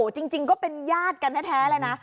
จริงก็เป็นญาติกันแท้เลยนะ